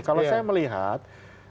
kalau saya melihat